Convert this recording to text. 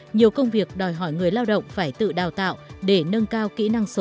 nhiều công việc đòi hỏi người lao động phải tự đào tạo để nâng cao kỹ năng số